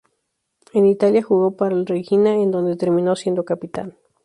En Italia jugó para el Reggina, en donde terminó siendo capitán.